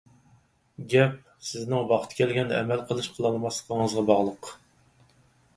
گەپ، سىزنىڭ ۋاقتى كەلگەندە ئەمەل قىلىش-قىلالماسلىقىڭىزغا باغلىق.